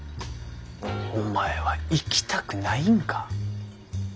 お前は行きたくないんか。